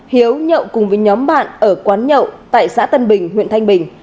hiếu nhậu cùng với nhóm bạn ở quán nhậu tại xã tân bình huyện thanh bình